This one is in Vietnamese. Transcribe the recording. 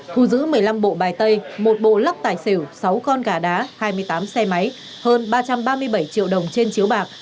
thu giữ một mươi năm bộ bài tay một bộ lắc tài xỉu sáu con gà đá hai mươi tám xe máy hơn ba trăm ba mươi bảy triệu đồng trên chiếu bạc